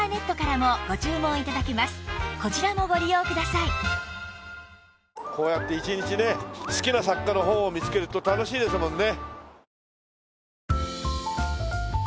さらにこうやって一日ね好きな作家の本を見つけると楽しいですもんね。